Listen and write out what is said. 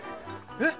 えっ？